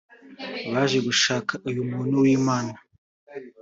baje gushaka uyu muntu w’Imana…